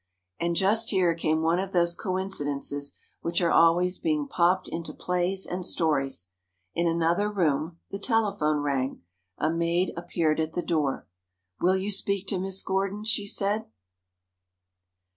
And just here came one of those coincidences which are always being popped into plays and stories. In another room, the telephone rang. A maid appeared at the door. "Will you speak to Miss Gordon?" she said.